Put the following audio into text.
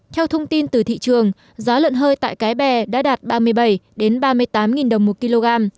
theo thông tin từ thị trường giá lợn hơi tại cái bè đã đạt ba mươi bảy ba mươi tám đồng một kg